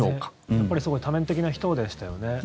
やっぱりすごく多面的な人でしたよね。